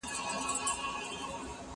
زه اوس د سبا لپاره د هنرونو تمرين کوم،